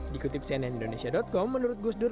dikutip cnn indonesia com menurut gus dur